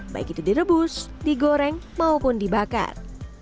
baik itu direbus digoreng maupun dibakar